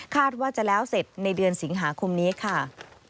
ว่าจะแล้วเสร็จในเดือนสิงหาคมนี้ค่ะ